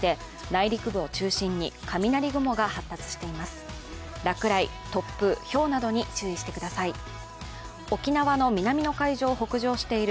落雷、突風、ひょうなどに注意してください。